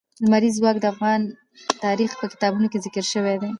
لمریز ځواک د افغان تاریخ په کتابونو کې ذکر شوی دي.